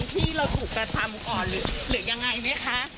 ที่เราถูกกระทำก่อนหรือยังไงไหมคะ